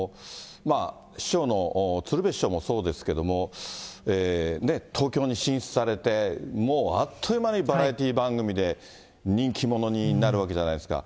師匠の、鶴瓶師匠もそうですけど、東京に進出されて、もうあっという間に、バラエティー番組で人気者になるわけじゃないですか。